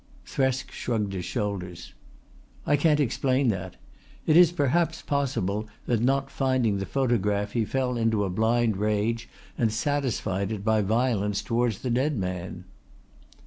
Thresk shrugged his shoulders. "I can't explain that. It is perhaps possible that not finding the photograph he fell into a blind rage and satisfied it by violence towards the dead man."